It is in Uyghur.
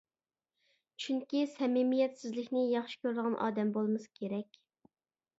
چۈنكى سەمىمىيەتسىزلىكنى ياخشى كۆرىدىغان ئادەم بولمىسا كېرەك.